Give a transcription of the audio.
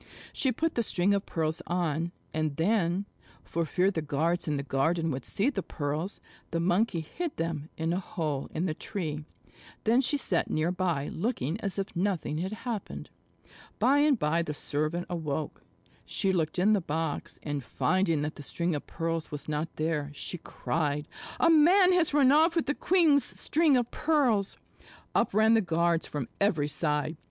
She put the string of pearls on, and then, for fear the guards in the garden would see the pearls, the Monkey hid them in a hole in the tree. Then she sat near by looking as if nothing had happened. By and by the servant awoke. She looked in the box, and finding that the string of pearls was not there, she cried, "A man has run off with the queen's string of pearls." Up ran the guards from every side.